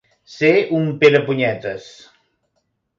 Ser un perepunyetes.